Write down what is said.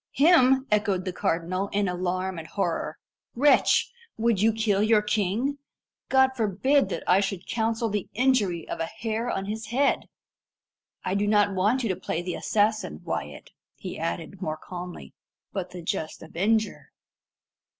"Him!" echoed the cardinal, in alarm and horror. "Wretch! would you kill your king? God forbid that I should counsel the injury of a hair of his head! I do not want you to play the assassin, Wyat," he added more calmly, "but the just avenger.